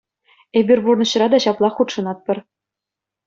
Эпир пурнӑҫра та ҫаплах хутшӑнатпӑр.